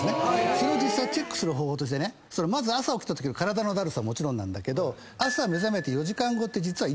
それをチェックする方法としてまず朝起きたときの体のだるさはもちろんなんだけど。